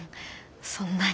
そんなに。